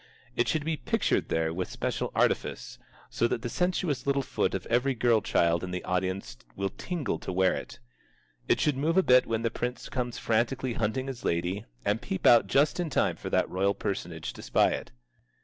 It should be pictured there with special artifice, so that the sensuous little foot of every girl child in the audience will tingle to wear it. It should move a bit when the prince comes frantically hunting his lady, and peep out just in time for that royal personage to spy it.